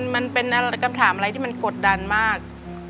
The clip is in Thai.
มันเป็นคำถามอะไรที่มันกดดันมาก